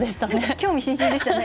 興味津々でしたよね。